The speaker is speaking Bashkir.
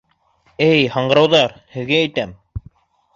— Эй, һаңғырауҙар, һеҙгә әйтәм!